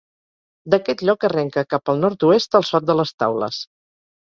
D'aquest lloc arrenca, cap al nord-oest, el Sot de les Taules.